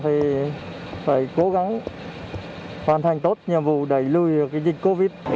thì phải cố gắng hoàn thành tốt nhiệm vụ đẩy lùi cái dịch covid